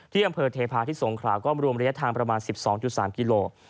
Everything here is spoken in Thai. ที่อำเภอเทพาะที่สงขราก็รวมระยะทางประมาณ๑๒๓กิโล